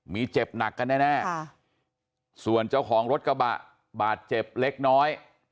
มีเจ็บหนักกันแน่ส่วนเจ้าของรถกระบะบาดเจ็บเล็กน้อย